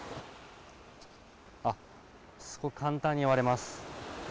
あっ、すごく簡単に割れます。